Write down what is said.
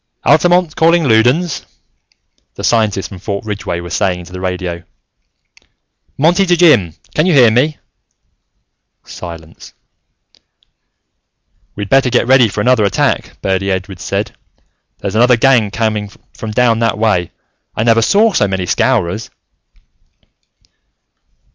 "Altamont, calling Loudons," the scientist from Fort Ridgeway was saying into the radio. "Monty to Jim: can you hear me?" Silence. "We'd better get ready for another attack," Birdy Edwards said. "There's another gang coming from down that way. I never saw so many Scowrers!"